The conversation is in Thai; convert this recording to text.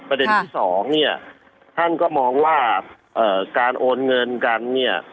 ประเด็นที่สองเนี่ยท่านก็มองว่าการโอนเงินกันเนี่ย